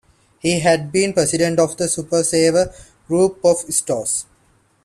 He had been President of the Super Saver group of stores.